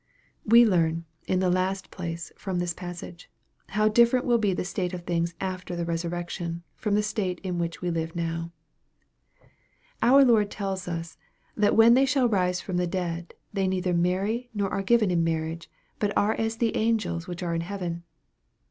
We learn, in the last place, from this passage, how differ ent will be the state of things after the resurrection, from the state in which we live now. Our Lord tells us, that " when they shall rise from the dead, they neither marry, nor are given in marriage ; but are as the angels which are in heaven."